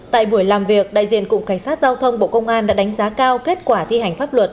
tại buổi làm việc đại diện cục cảnh sát giao thông bộ công an đã đánh giá cao kết quả thi hành pháp luật